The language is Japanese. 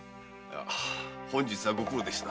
本日はご苦労でした。